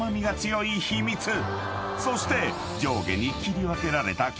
［そして］